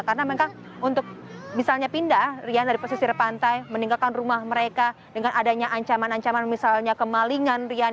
karena mereka untuk misalnya pindah rian dari pesisir pantai meninggalkan rumah mereka dengan adanya ancaman ancaman misalnya kemalingan rian